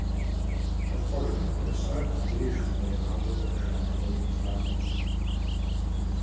ЩӀэпхъуэжыну хунэсар ди деж хъыбарегъащӀэ нэжа нэгъуейм и закъуэщ.